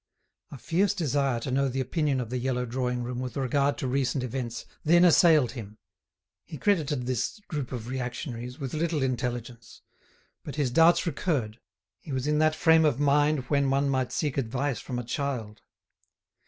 A fierce desire to know the opinion of the yellow drawing room with regard to recent events then assailed him. He credited this group of reactionaries with little intelligence; but his doubts recurred, he was in that frame of mind when one might seek advice from a child.